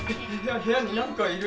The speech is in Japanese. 部屋になんかいる！